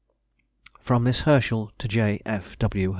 FROM MISS HERSCHEL TO J. F. W.